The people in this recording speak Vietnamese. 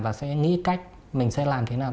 và sẽ nghĩ cách mình sẽ làm thế nào